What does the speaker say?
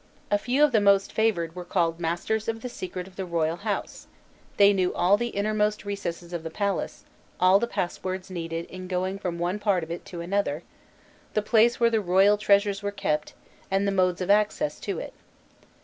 A few of the most favoured were called "Masters of the Secret of the Royal House;" they knew all the innermost recesses of the palace, all the passwords needed in going from one part of it to another, the place where the royal treasures were kept, and the modes of access to it.